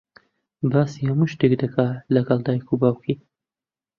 باسی هەموو شتێک دەکات لەگەڵ دایک و باوکی.